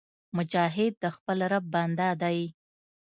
مجاهد د خپل رب بنده دی